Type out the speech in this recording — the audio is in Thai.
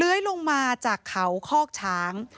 เลื้อยลงมาจากเขาคอกช้าง